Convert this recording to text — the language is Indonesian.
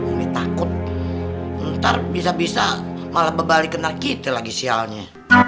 ini takut ntar bisa bisa malah bebalik kena kita lagi sialnya